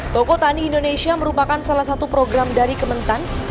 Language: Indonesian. toko tani indonesia merupakan salah satu program dari kementan